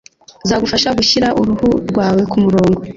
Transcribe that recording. zagufasha gushyira uruhu rwawe ku murongo